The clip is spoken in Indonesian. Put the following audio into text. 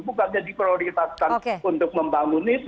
bukannya diprioritaskan untuk membangun itu